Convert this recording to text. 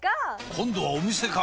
今度はお店か！